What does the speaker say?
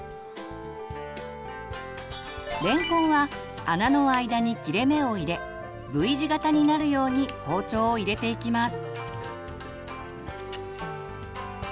れんこんは穴の間に切れ目を入れＶ字型になるように包丁を入れていきます。